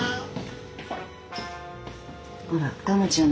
ほらタマちゃん